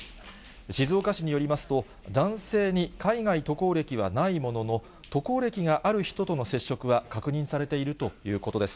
静岡市によりますと、男性に海外渡航歴はないものの、渡航歴がある人との接触は確認されているということです。